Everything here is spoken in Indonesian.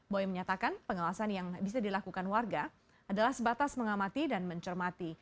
boy menyatakan pengawasan yang bisa dilakukan warga adalah sebatas mengamati dan mencermati